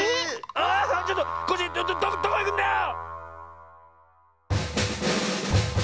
あっちょっとコッシーどこいくんだよ